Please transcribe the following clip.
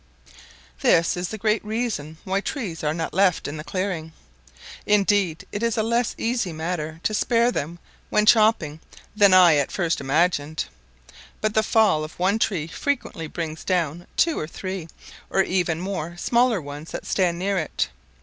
This is the great reason why trees are not left in the clearing. Indeed, it is a less easy matter to spare them when chopping than I at first imagined, but the fall of one tree frequently brings down two, three, or even more smaller ones that stand near it.